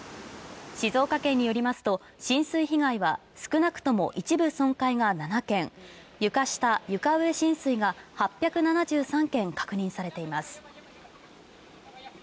静岡県によりますと、浸水被害は少なくとも一部損壊が７件、床下・床上浸水が８７３軒確認されています。